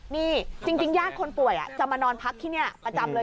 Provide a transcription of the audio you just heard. นี่จริงญาติคนป่วยจะมานอนพักที่นี่ประจำเลย